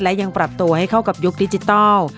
และยังปรับตัวให้เข้ากับยุคดิจิทัล